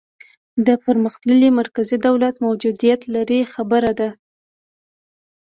د پرمختللي مرکزي دولت موجودیت لرې خبره وه.